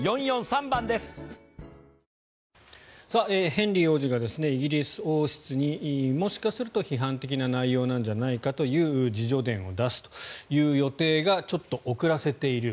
ヘンリー王子がイギリス王室にもしかしたら批判的な内容なんじゃないかという自叙伝を出すという予定がちょっと遅らせている。